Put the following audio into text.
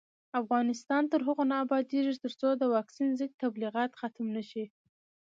افغانستان تر هغو نه ابادیږي، ترڅو د واکسین ضد تبلیغات ختم نشي.